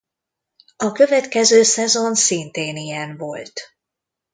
A következő szezon szintén ilyen volt.